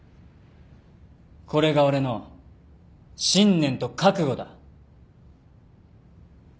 これが俺の信念と覚悟だ。